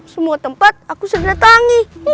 semua tempat aku sudah datangi